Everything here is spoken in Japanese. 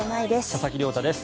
佐々木亮太です。